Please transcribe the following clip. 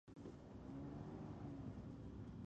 څوک یې سرښندنه ستایي؟